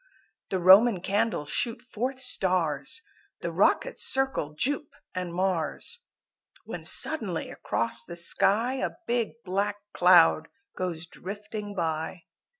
The Roman Candles shoot forth stars, The rockets circle Jupe and Mars, When suddenly across the sky A big black cloud goes drifting by.